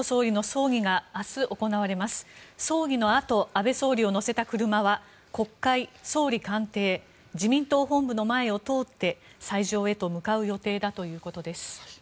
葬儀のあと安倍総理を乗せた車は国会、総理官邸自民党本部の前を通って斎場へと向かう予定だということです。